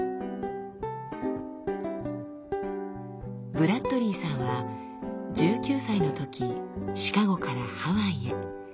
ブラッドリーさんは１９歳のときシカゴからハワイへ。